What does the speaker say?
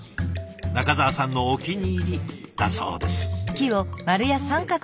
仲澤さんのお気に入りだそうです。